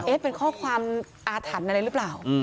เป็นข้อความอาถรรพ์อะไรหรือเปล่า